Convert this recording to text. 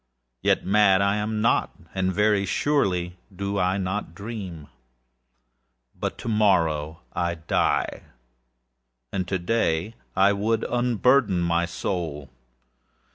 Yet, mad am I notâand very surely do I not dream. But to morrow I die, and to day I would unburthen my soul.